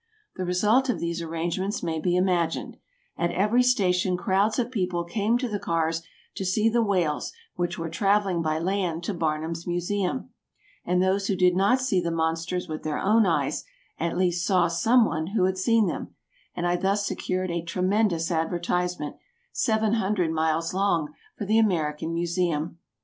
The result of these arrangements may be imagined; at every station crowds of people came to the cars to see the whales which were travelling by land to Barnum's Museum, and those who did not see the monsters with their own eyes, at least saw some one who had seen them, and I thus secured a tremendous advertisement, seven hundred miles long, for the American Museum.